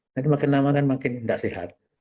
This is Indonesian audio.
nanti makin lama kan makin tidak sehat